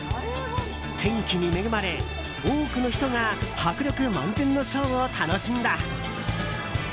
天気に恵まれ多くの人が迫力満点のショーを楽しんだ。